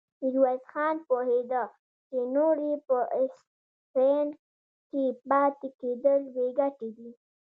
ميرويس خان پوهېده چې نور يې په اصفهان کې پاتې کېدل بې ګټې دي.